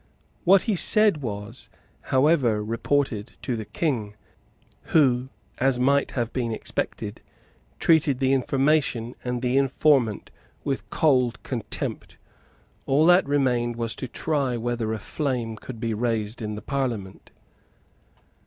What he said was, however, reported to the King, who, as might have been expected, treated the information and the informant with cold contempt. All that remained was to try whether a flame could be raised in the Parliament.